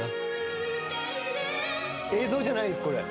映像じゃないんすこれ。